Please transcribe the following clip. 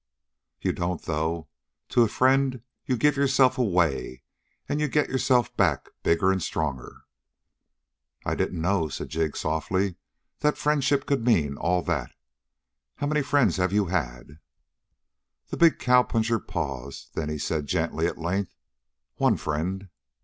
"You don't, though. To a friend you give yourself away, and you get yourself back bigger and stronger." "I didn't know," said Jig softly, "that friendship could mean all that. How many friends have you had?" The big cowpuncher paused. Then he said gently at length, "One friend."